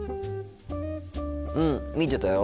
うん見てたよ。